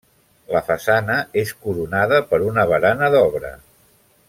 La façana és coronada per una barana d'obra.